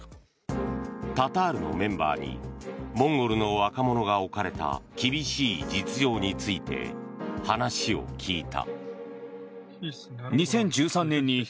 ＴＡＴＡＲのメンバーにモンゴルの若者が置かれた厳しい実情について話を聞いた。